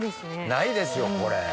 ないですよこれ。